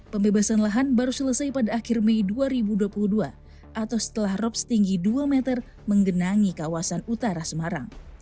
pembebasan lahan baru selesai pada akhir mei dua ribu dua puluh dua atau setelah rop setinggi dua meter menggenangi kawasan utara semarang